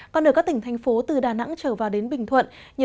còn ở các tỉnh thành phố từ đà nẵng trở vào đến bình thuận